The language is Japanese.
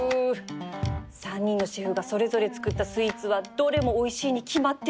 ３人のシェフがそれぞれ作ったスイーツはどれもおいしいに決まってる